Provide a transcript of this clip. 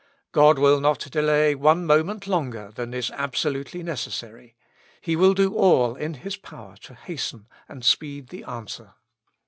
God will not delay one moment longer than is abso lutely necessary; He will do all in His power to hasten and speed the answer.